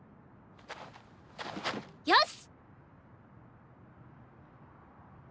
よし！